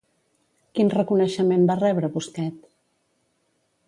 Quin reconeixement va rebre Busquet?